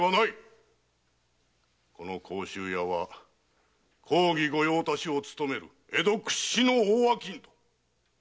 この甲州屋は公儀御用達を務める江戸屈指の大商人。